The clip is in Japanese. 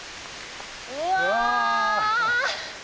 うわ！